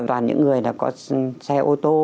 toàn những người là có xe ô tô